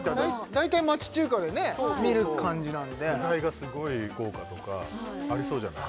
大体町中華でね見る感じなんで野菜がすごい豪華とかありそうじゃない？